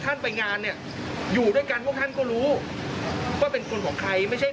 ท่านไม่รู้จริงหรือครับ